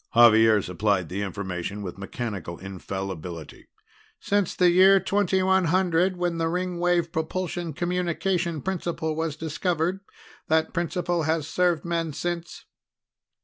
Xavier supplied the information with mechanical infallibility. "Since the year 2100 when the Ringwave propulsion communication principle was discovered. That principle has served men since."